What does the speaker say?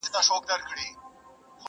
د مېږیانو وې جرګې او مجلسونه!.